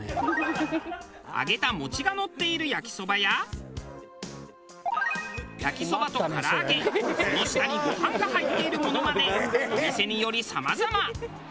揚げた餅がのっている焼きそばや焼きそばと唐揚げその下にご飯が入っているものまでお店によりさまざま。